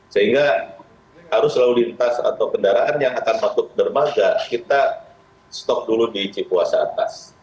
sehingga harus selalu diintas atau kendaraan yang akan masuk ke dermaga kita stop dulu di cipuasa atas